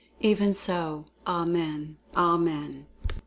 Even so, Amen! Amen!